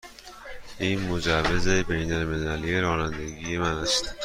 این مجوز بین المللی رانندگی من است.